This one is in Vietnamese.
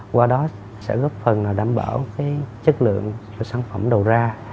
qua đó sẽ góp phần đảm bảo chất lượng của sản phẩm đầu ra